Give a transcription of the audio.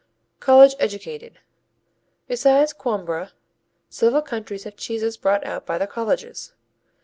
College educated Besides Coimbra several countries have cheeses brought out by their colleges.